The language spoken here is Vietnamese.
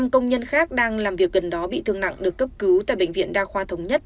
năm công nhân khác đang làm việc gần đó bị thương nặng được cấp cứu tại bệnh viện đa khoa thống nhất